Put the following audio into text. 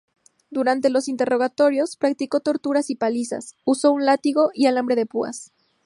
Durante los interrogatorios, practicó torturas y palizas, usó un látigo y alambre de púas.